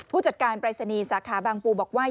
ผู้จัดการปรายศนีย์สาขาบางปูบอกว่า